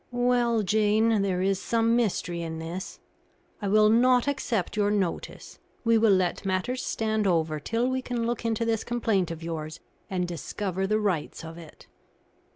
"Well, Jane, there is some mystery in this. I will not accept your notice; we will let matters stand over till we can look into this complaint of yours and discover the rights of it."